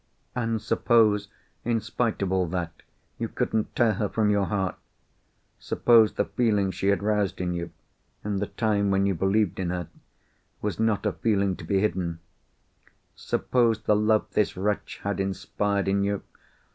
"And, suppose, in spite of all that—you couldn't tear her from your heart? Suppose the feeling she had roused in you (in the time when you believed in her) was not a feeling to be hidden? Suppose the love this wretch had inspired in you?